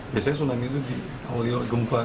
biasanya tsunami itu di awal awal gempar